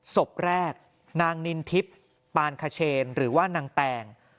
ศพแรกนางนินทิพย์ปานคเชนหรือว่านางแตง